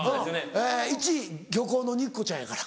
１位『漁港の肉子ちゃん』やから。